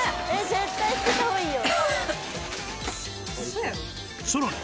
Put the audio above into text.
絶対捨てたほうがいいよ！